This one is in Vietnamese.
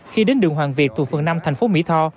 khi đến đường hoàng việt tù phường năm tp mỹ tho